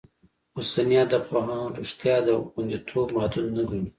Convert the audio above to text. اوسني ادبپوهان رشتیا غوندېتوب محدود نه ګڼي.